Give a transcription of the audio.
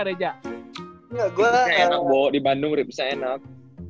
bisa enak bo di bandung bisa enak